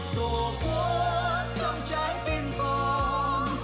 tổ quốc trong trái tim con